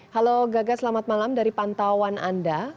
halo gaga selamat malam dari pantauan anda